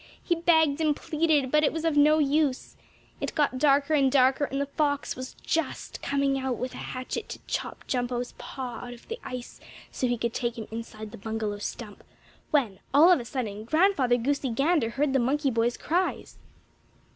He begged and pleaded, but it was of no use. It got darker and darker, and the fox was just coming out with a hatchet to chop Jumpo's paw out of the ice, so he could take him inside the bungalow stump, when, all of a sudden, Grandfather Goosey Gander heard the monkey boy's cries.